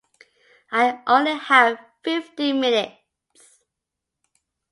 I only have fifteen minutes.